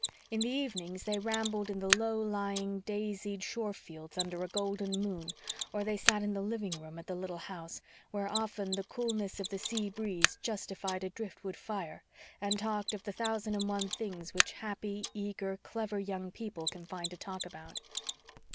In the evenings they rambled in the low lying, daisied, shore fields under a golden moon, or they sat in the living room at the little house where often the coolness of the sea breeze justified a driftwood fire, and talked of the thousand and one things which happy, eager, clever young people can find to talk about.